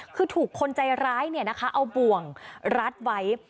คือถูกคนใจร้ายเนี้ยนะคะเอาบ่วงรัดไว้